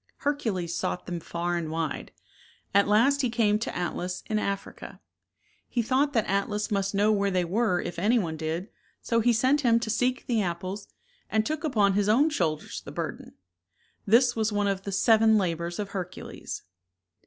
Hercules sought them far and wide. At last he came to Atlas in Africa. He thought that Atlas must know where they were if any one did, so he sent him to seek the apples, and took upon his own shoulders the burden. This was one of the " seven labors of Hercules."